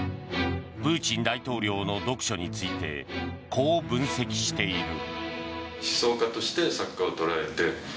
プーチン大統領の読書についてこう分析している。